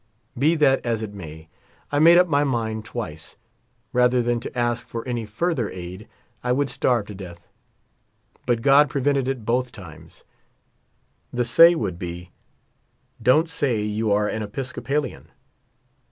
Be that as it may, I made up my mind twice. Rather than to ask for any further aid I would starve to death. But God prevented it both times. The say would be :" Don't say you are an Episcopalian."